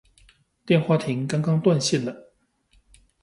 電話亭剛剛斷線了